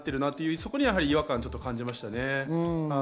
そこは違和感、感じましたね。